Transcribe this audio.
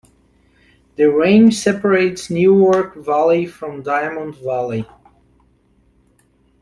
The range separates Newark Valley from Diamond Valley.